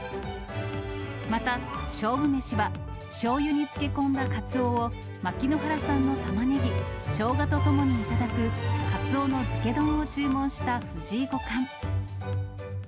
また、勝負メシは、しょうゆに漬け込んだカツオを、牧之原産のタマネギ、ショウガとともに頂くカツオのづけ丼を注文した藤井五冠。